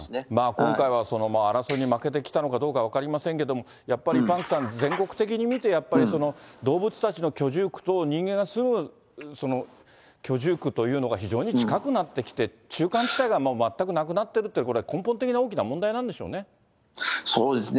今回は争いに負けてきたのかどうか分かりませんけど、やっぱりパンクさん、全国的に見て、やっぱり動物たちの居住区と、人間が住む居住区というのが、非常に近くなってきて、中間地帯がもう全くなくなっているという、これ、根本的な大きなそうですね。